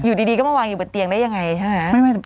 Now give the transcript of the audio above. อยู่ดีก็มาวางอยู่บนเตียงได้ยังไงใช่ไหม